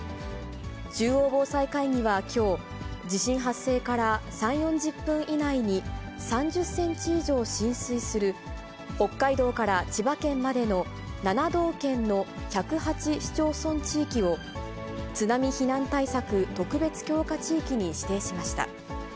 中央防災会議はきょう、地震発生から３、４０分以内に３０センチ以上浸水する、北海道から千葉県までの７道県の１０８市町村地域を、津波避難対策特別強化地域に指定しました。